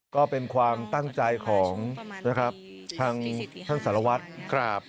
ก็เป็นความตั้งใจของทางสารวัตรครับ